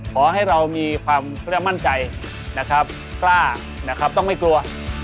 ขอให้เรามีความมั่นใจนะครับกล้านะครับต้องไม่กลัว